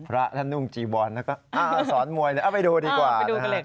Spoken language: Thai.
พระท่านนุ่งจีบอลแล้วก็สอนมวยเลยไปดูดีกว่า